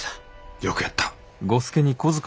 よくやった。